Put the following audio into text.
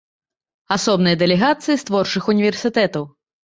Асобныя дэлегацыі з творчых універсітэтаў.